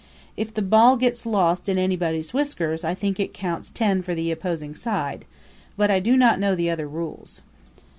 If the ball gets lost in anybody's whiskers I think it counts ten for the opposing side; but I do not know the other rules.